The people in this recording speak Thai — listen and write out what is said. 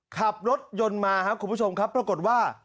ขับรถยนต์มาครับคุณผู้ชมครับปรากฏว่า